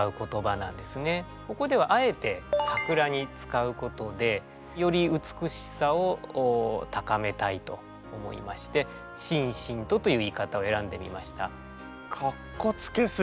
ここではあえて桜に使うことでより美しさを高めたいと思いまして「しんしんと」という言い方を選んでみました。